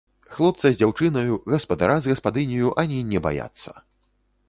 Хлопца з дзяўчынаю, гаспадара з гаспадыняю ані не баяцца.